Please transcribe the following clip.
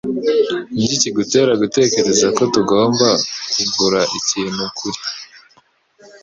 Niki kigutera gutekereza ko tugomba kugura ikintu kuri ?